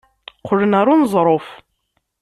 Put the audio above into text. Qqlen ɣer uneẓruf.